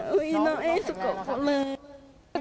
ด้วยน้องดูดน้อยก็ได้นะ